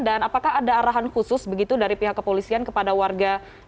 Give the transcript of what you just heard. dan apakah ada arahan khusus begitu dari pihak kepolisian kepada warga di sekitar